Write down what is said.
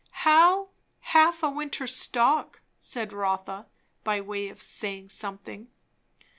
"How 'half a winter's stock'?" said Rotha, by way of saying something.